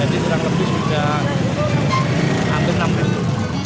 jadi terang lebih sudah hampir enam orang